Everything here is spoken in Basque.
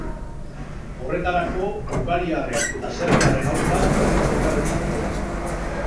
Horretarako hungariarren eta serbiarren aurka borrokatu behar izan zuen.